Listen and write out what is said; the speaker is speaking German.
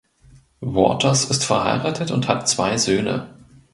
Waters ist verheiratet und hat zwei Söhne.